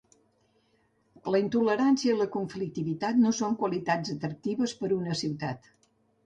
La intolerància i la conflictivitat no són qualitats atractives per a una ciutat.